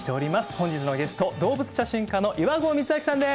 本日のゲスト動物写真家の岩合光昭さんです！